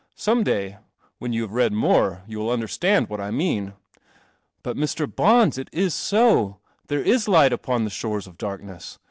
Some day, when you have read more, you will understand what I mean." " But Mr. Bons, it is so. There is light upon the shores of darkness.